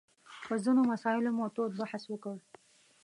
په ځینو مسایلو مو تود بحث وکړ.